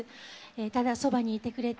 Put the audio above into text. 「ただそばにいてくれて」